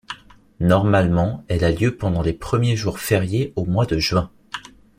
Normalement, elle a lieu pendant les premiers jours fériés au mois de juin.